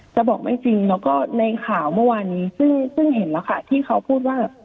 จะบอกไม่จริงแล้วก็ในข่าวเมื่อวานนี้ซึ่งเห็นแล้วค่ะที่เขาพูดว่า